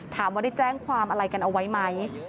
ถามว่าได้แจ้งความอะไรกันเอาไว้ไหม